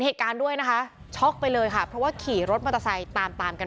เหตุการณ์ด้วยนะคะช็อกไปเลยค่ะเพราะว่าขี่รถมอเตอร์ไซค์ตามตามกัน